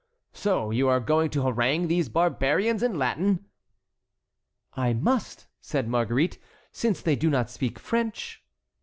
So you are going to harangue these barbarians in Latin?" "I must," said Marguerite, "since they do not speak French."